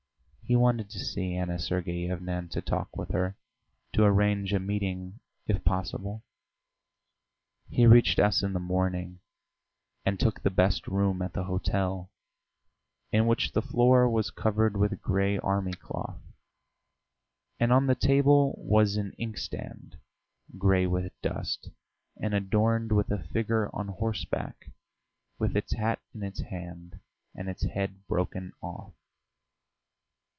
He wanted to see Anna Sergeyevna and to talk with her to arrange a meeting, if possible. He reached S in the morning, and took the best room at the hotel, in which the floor was covered with grey army cloth, and on the table was an inkstand, grey with dust and adorned with a figure on horseback, with its hat in its hand and its head broken off.